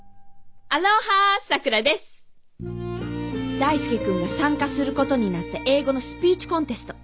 大介君が参加することになった英語のスピーチコンテスト。